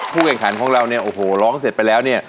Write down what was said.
แข่งขันของเราเนี่ยโอ้โหร้องเสร็จไปแล้วเนี่ย